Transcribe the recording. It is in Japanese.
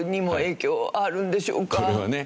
これはね